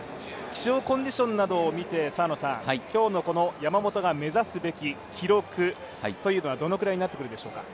気象コンディションなどを見て今日の山本が目指すべき記録はどのくらいになってくるでしょうか？